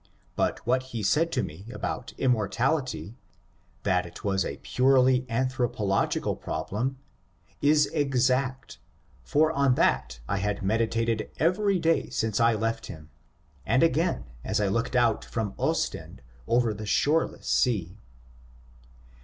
But what he said to me about inmiortality — that it was a purely an thropological problem — is exact, for on that I had medi tated every day since I left him, and again as I looked out from Ostend over the shoreless sea.